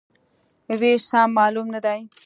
وېش سم معلوم نه دی.